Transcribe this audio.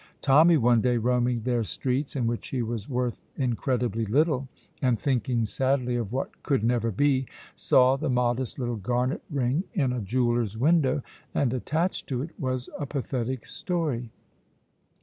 Tommy, one day, roaming their streets (in which he was worth incredibly little), and thinking sadly of what could never be, saw the modest little garnet ring in a jeweller's window, and attached to it was a pathetic story.